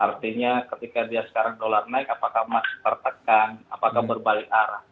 artinya ketika dia sekarang dolar naik apakah emas tertekan apakah berbalik arah